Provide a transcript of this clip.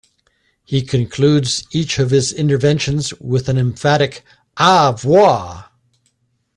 He concludes each of his interventions with an emphatic A Voi!